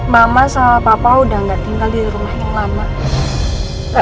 mama sama papa udah nggak tinggal di rumah yang lama